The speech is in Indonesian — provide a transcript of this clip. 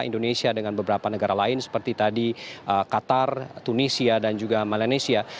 indonesia dengan beberapa negara lain seperti tadi qatar tunisia dan juga malaysia